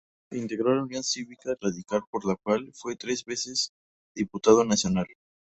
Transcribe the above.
Integró la Unión Cívica Radical por la cual fue tres veces diputado nacional.